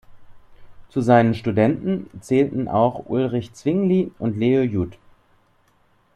Zu seinen Studenten zählten auch Ulrich Zwingli und Leo Jud.